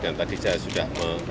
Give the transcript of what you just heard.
dan tadi saya sudah